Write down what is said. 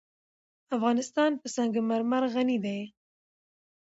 افغانستان په سنگ مرمر غني دی.